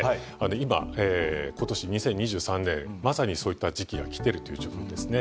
今今年２０２３年まさにそういった時期が来てるっていう状況ですね。